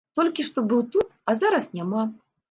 Толькі што быў тут, а зараз няма.